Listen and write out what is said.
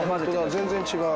全然違う。